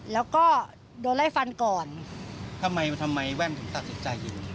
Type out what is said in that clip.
แล้วก็โดนไร่ฟันก่อนทำไมทำไมแว่นตัดจากใจอยู่